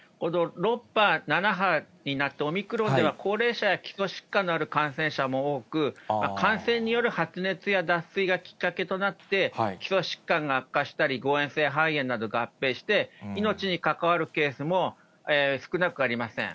６波、７波になって、オミクロンでは、高齢者や基礎疾患のある感染者も多く、感染による発熱や脱水がきっかけとなって、基礎疾患が悪化したり、誤嚥性肺炎など合併して、命に関わるケースも少なくありません。